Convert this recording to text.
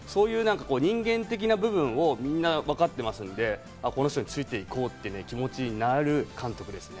人間的な部分をみんな分かってますので、この人について行こうという気持ちになる監督ですね。